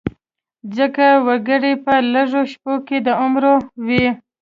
څه وګړي په لږو شپو کې د عمرو وي.